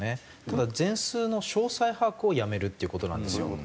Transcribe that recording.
ただ全数の詳細把握をやめるっていう事なんですよ。